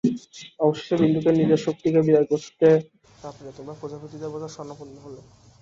অবশেষে বিন্দুকে নিজের শক্তিতে বিদায় করতে না পেরে তোমরা প্রজাপতি দেবতার শরণাপন্ন হলে।